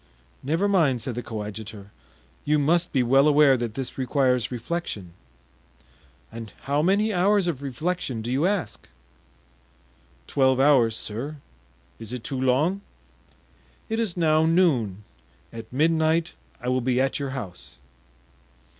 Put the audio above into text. "Never mind," said the coadjutor; "you must be well aware that this requires reflection." "And how many hours of reflection do you ask?" "Twelve hours, sir; is it too long?" "It is now noon; at midnight I will be at your house."